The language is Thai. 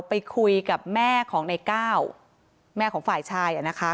ไปคุยกับแม่ของในก้าวแม่ของฝ่ายชายอ่ะนะคะ